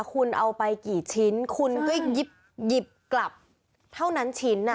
คุณเอาไปกี่ชิ้นคุณก็หยิบกลับเท่านั้นชิ้น